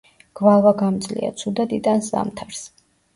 გვალვაგამძლეა, ცუდად იტანს ზამთარს.